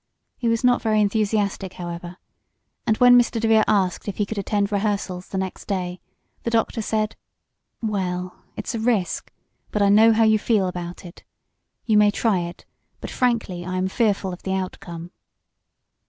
He was not very enthusiastic, however, and when Mr. DeVere asked if he could attend rehearsals next day the doctor said: "Well, it's a risk, but I know how you feel about it. You may try it; but, frankly, I am fearful of the outcome."